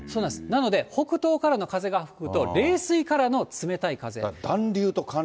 なので北東からの風が吹くと、冷水からの冷たい風が吹くと。